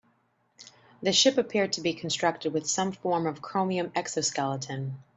The ship appeared to be constructed with some form of chromium exoskeleton.